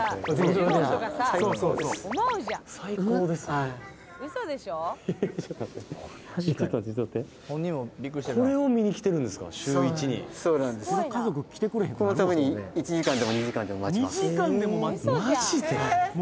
はいこのために１時間でも２時間でも待ちますマジで？